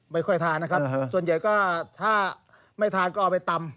ไม่ค่อยทานนะครับส่วนใหญ่ก็ถ้าไม่ทานก็เอาไปตำ